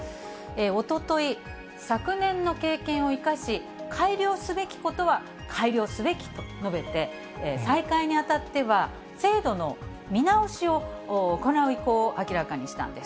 おととい、昨年の経験を生かし、改良すべきことは改良すべきと述べて、再開にあたっては、制度の見直しを行う意向を明らかにしたんです。